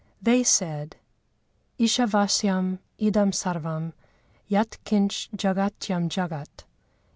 They said: Ishávásyam idam sarvam yat kinch jagatyám jagat.